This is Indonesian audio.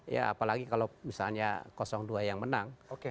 ya apalagi kalau misalnya dua yang menang